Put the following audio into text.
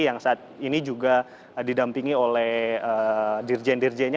yang saat ini juga didampingi oleh dirjen dirjennya